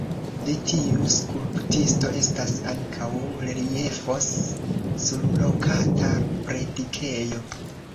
De tiu skulptisto estas ankaŭ reliefoj sur rokoka predikejo.